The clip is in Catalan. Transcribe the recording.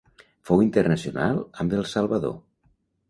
Fou internacional amb El Salvador.